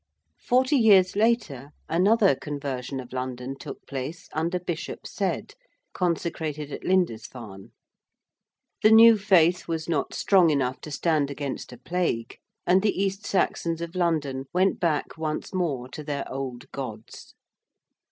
Forty years later another conversion of London took place under Bishop Cedd, consecrated at Lindisfarne. The new faith was not strong enough to stand against a plague, and the East Saxons of London went back once more to their old gods.